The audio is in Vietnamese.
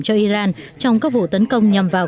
cho iran trong các vụ tấn công nhằm vào